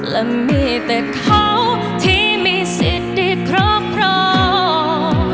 และมีแต่เขาที่มีสิทธิพร้อมพร้อม